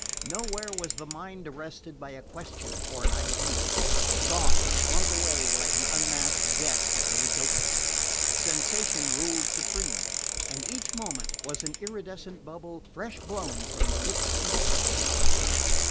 Nowhere was the mind arrested by a question or an idea. Thought slunk away like an unmasked guest at the ridotto. Sensation ruled supreme, and each moment was an iridescent bubble fresh blown from the lips of fancy.